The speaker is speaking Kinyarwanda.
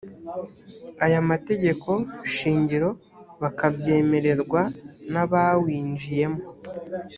aya mategeko shingiro bakabyemererwa n abawinjiyemo